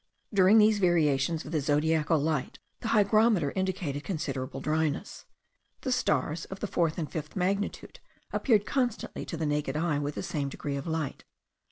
During these variations of the zodiacal light, the hygrometer indicated considerable dryness. The stars of the fourth and fifth magnitude appeared constantly to the naked eye with the same degree of light.